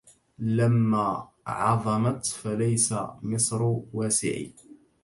لما عظمت فليس مصر واسعي